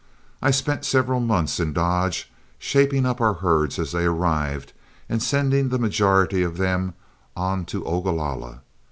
I spent several months in Dodge, shaping up our herds as they arrived, and sending the majority of them on to Ogalalla.